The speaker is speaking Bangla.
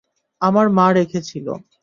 আমার মা রেখেছিল।